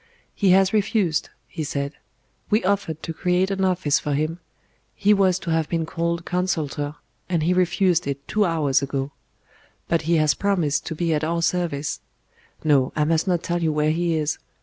"He has refused," he said. "We offered to create an office for Him; He was to have been called Consultor, and he refused it two hours ago. But He has promised to be at our service.... No, I must not tell you where He is....